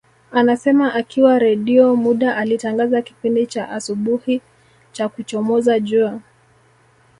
Anasema akiwa Redio muda alitangaza kipindi cha asubuhi cha kuchomoza jua